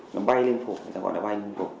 nó bay lên phổi người ta gọi là bay lên phổi